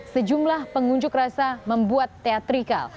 sejumlah pengunjuk rasa membuat teatrikal